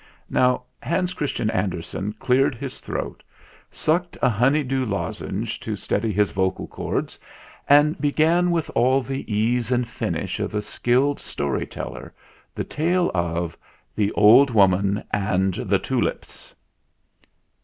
Now Hans Christian Andersen cleared his throat, sucked a honeydew lozenge to steady his vocal cords, and began with all the ease and finish of a skilled story teller the tale of THE ENTERTAINMENT 129 THE OLD WOMAN AND THE TULIPS.